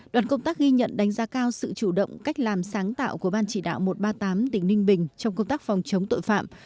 đoàn công tác ghi nhận đánh giá cao sự chủ động cách làm sáng tạo của ban chỉ đạo một trăm ba mươi tám tỉnh ninh bình trong công tác phòng chống tội phạm